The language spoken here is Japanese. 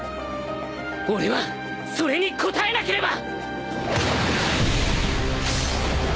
「俺はそれに応えなければ！」